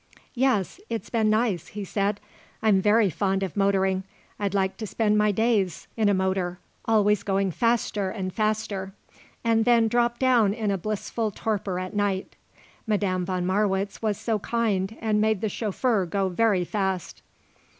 "Yes, it's been nice," he said. "I'm very fond of motoring. I'd like to spend my days in a motor always going faster and faster; and then drop down in a blissful torpor at night. Madame von Marwitz was so kind and made the chauffeur go very fast."